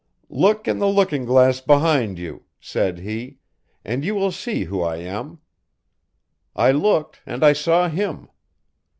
'Look in the looking glass behind you,' said he, 'and you will see who I am.' I looked and I saw him.